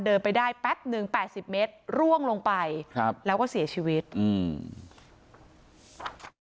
เดินไปได้แป๊บหนึ่งแปดสิบเมตรร่วงลงไปครับแล้วก็เสียชีวิตอืม